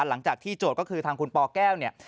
หลังจากที่โจทย์ก็คือทางคุณปแก้วเนี่ย